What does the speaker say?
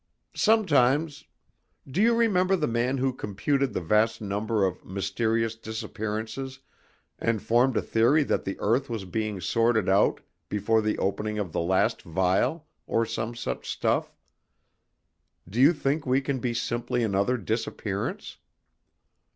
Sometimes do you remember the man who computed the vast number of 'mysterious disappearances,' and formed a theory that the earth was being sorted out before the opening of the last vial, or some such stuff? Do you think we can be simply another disappearance?"